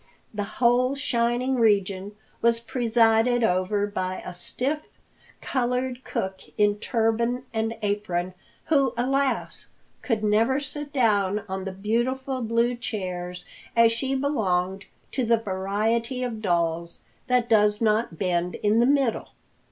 The whole shining region was presided over by a stiff, colored cook in turban and apron, who, alas! could never sit down on the beautiful blue chairs, as she belonged to the variety of dolls that does not bend in the middle.